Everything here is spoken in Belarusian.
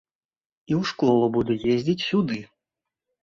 І ў школу буду ездзіць сюды.